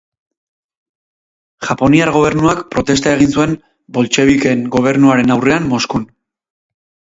Japoniar gobernuak protesta egin zuen boltxebikeen gobernuaren aurrean Moskun.